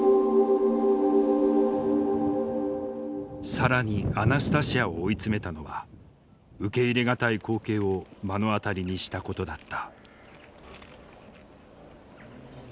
更にアナスタシヤを追い詰めたのは受け入れ難い光景を目の当たりにしたことだった。